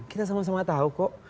kita sama sama tahu kok